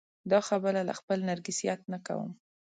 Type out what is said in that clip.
دا خبره له خپل نرګسیت نه کوم.